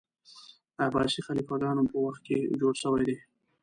عباسي خلیفه ګانو په وخت کي جوړ سوی دی.